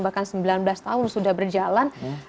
bahkan sembilan belas tahun sudah berjalan